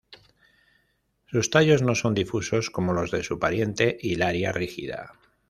Sus tallos no son difusos como los de su pariente, "Hilaria rigida".